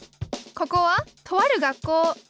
ここはとある学校。